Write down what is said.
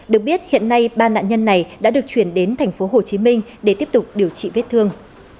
được biết hiện nay ba nạn nhân này đã được chuyển đến tp hcm để tiếp tục điều trị vết thương